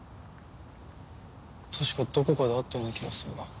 確かどこかで会ったような気がするが。